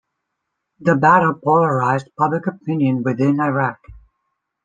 The battle polarized public opinion within Iraq.